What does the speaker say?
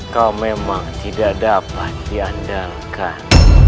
kau memang tidak dapat diandalkan